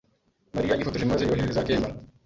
Mariya yifotoje maze yoherereza kemba.